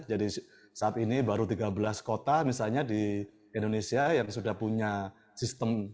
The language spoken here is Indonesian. jadi saat ini baru tiga belas kota misalnya di indonesia yang sudah punya sistem